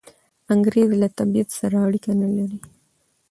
انګریز له طبیعت سره اړیکه نلري.